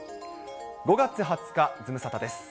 ５月２０日ズムサタです。